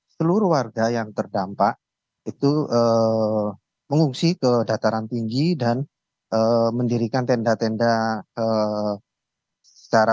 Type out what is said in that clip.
seluruh warga yang terdampak itu mengungsi ke dataran tinggi dan mendirikan tenda tenda secara